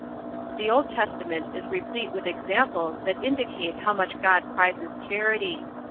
The Old Testament is replete with examples that indicate how much God prizes charity.